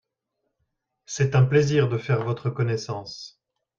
C'est un plaisir de faire votre connaissance.